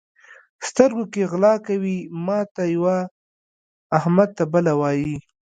سترګو کې غلا کوي؛ ماته یوه، احمد ته بله وایي.